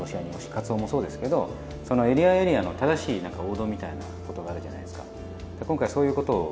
カツオもそうですけどそのエリアエリアの正しい王道みたいなことがあるじゃないですか。